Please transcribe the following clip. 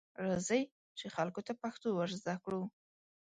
راځئ، چې خلکو ته پښتو ورزده کړو.